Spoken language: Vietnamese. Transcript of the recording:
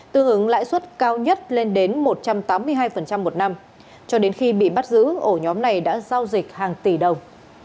tương ứng lãi suất cao nhất lên đến một trăm tám mươi hai một năm cho đến khi bị bắt giữ ổ nhóm này đã giao dịch hàng tỷ đồng